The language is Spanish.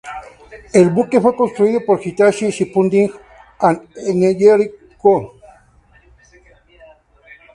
El buque fue construido por Hitachi Shipbuilding and Engineering Co.